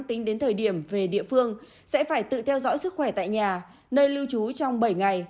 tính đến thời điểm về địa phương sẽ phải tự theo dõi sức khỏe tại nhà